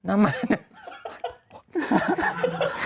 หน้าม่าน